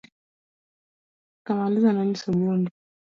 Kamaliza nonyiso Bundi